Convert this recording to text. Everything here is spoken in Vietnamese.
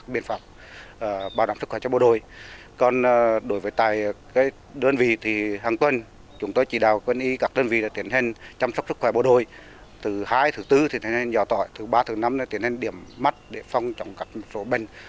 bộ đội từ hai từ bốn thì tiến hành giò tỏi từ ba từ năm thì tiến hành điểm mắt để phong trọng các số bệnh